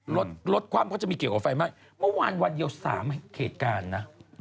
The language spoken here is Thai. รถรถคว่ำเขาจะมีเกี่ยวกับไฟไหม้เมื่อวานวันเดียว๓เหตุการณ์นะ